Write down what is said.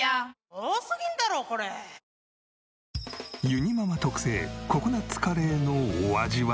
ゆにママ特製ココナッツカレーのお味は？